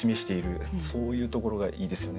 そういうところがいいですよね。